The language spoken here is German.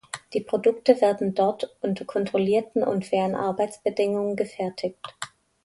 Die Produkte werden dort unter kontrollierten und fairen Arbeitsbedingungen gefertigt.